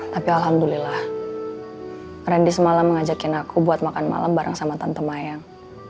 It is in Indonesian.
tapi alhamdulillah randy semalam mengajakin aku buat makan malam bareng sama tante mayang